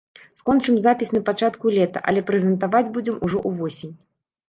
Скончым запіс на пачатку лета, але прэзентаваць будзем ужо ў восень.